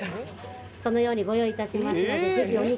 そのようにご用意します。